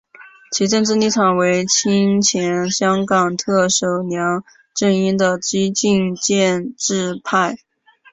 其政治立场为亲前香港特首梁振英的激进建制派。